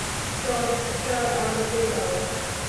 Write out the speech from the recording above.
টর্চটা আমাকে দাও।